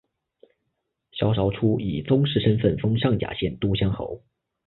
萧韶初以宗室身份封上甲县都乡侯。